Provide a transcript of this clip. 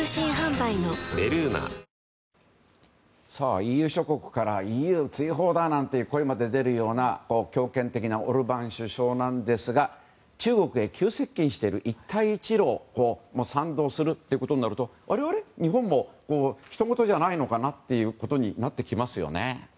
ＥＵ諸国からＥＵ追放だという声まで出るような強権的なオルバーン首相なんですが中国へ急接近している一帯一路にも賛同するとなるとあれあれ、日本もひとごとじゃないのかなというふうになってきますよね。